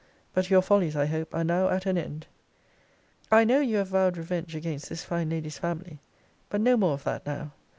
But your follies, I hope, are now at an end. I know, you have vowed revenge against this fine lady's family: but no more of that, now.